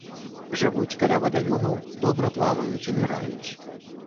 Жывуць каля вадаёмаў, добра плаваюць і ныраюць.